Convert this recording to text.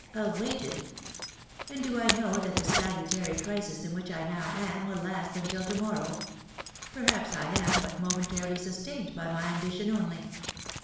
"Awaited! And do I know that the salutary crisis in which I now am will last until to morrow? Perhaps I am but momentarily sustained by my ambition only."